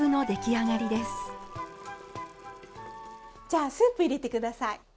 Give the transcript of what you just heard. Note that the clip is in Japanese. じゃあスープ入れて下さい。